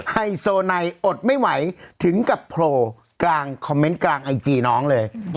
ไฮโซไนอดไม่ไหวถึงกับโผล่กลางคอมเมนต์กลางไอจีน้องเลย